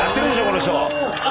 この人！